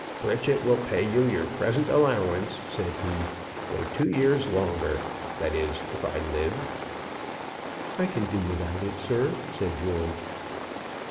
"Pritchett will pay you your present allowance," said he, "for two years longer that is, if I live." "I can do without it, sir," said George.